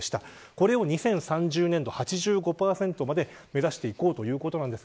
これを２０３０年が８５％まで目指していこうということです。